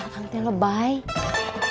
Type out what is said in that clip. akang telah baik